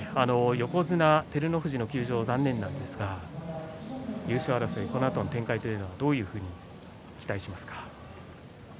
横綱照ノ富士の休場残念なんですが優勝争い、このあとの展開はどういうふうに期待しますか？